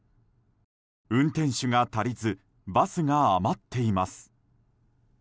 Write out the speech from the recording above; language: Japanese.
運転手が足りずバスが余っています。